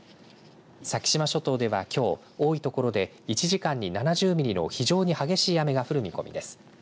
先島諸島では、きょう多い所で１時間に７０ミリの非常に激しい雨が降る見込みです。